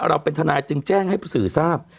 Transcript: เราเป็นทนายจึงแจ้งให้ผู้สื่อทราบ